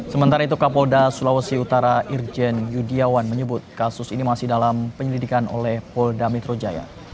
sementara itu kapolda sulawesi utara irjen yudiawan menyebut kasus ini masih dalam penyelidikan oleh polda metro jaya